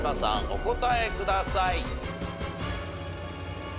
お答えください。